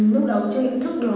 lúc đầu trang cũng thức được